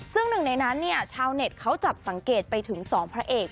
ซึ่งหนึ่งในนั้นเนี่ยชาวเน็ตเขาจับสังเกตไปถึง๒พระเอก